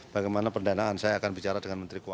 bagaimana pendanaan saya akan bicara dengan menteri keuangan